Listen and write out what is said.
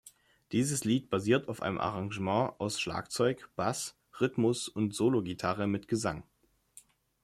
Dieses Lied basiert auf einem Arrangement aus Schlagzeug, Bass, Rhythmus- und Sologitarre mit Gesang.